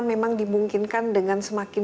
memang dimungkinkan dengan semakin